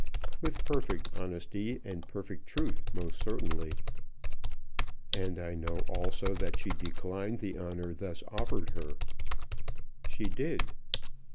"With perfect honesty and perfect truth most certainly." "And I know also that she declined the honour thus offered her." "She did."